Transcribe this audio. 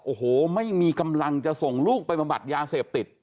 โอ้โหไม่มีกำลังจะส่งลูกไปบำบัดยาเสพติด